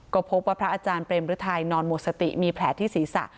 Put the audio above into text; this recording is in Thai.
ก็พบว่าพระอาจารย์เปรมฤทัยนอนหมดสติมีแผลที่ศีรษะ